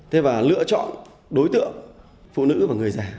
thế và lựa chọn đối tượng phụ nữ và người già